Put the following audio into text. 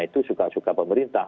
itu suka suka pemerintah